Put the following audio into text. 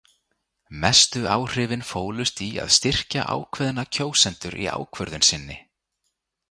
Mestu áhrifin fólust í að styrkja ákveðna kjósendur í ákvörðun sinni.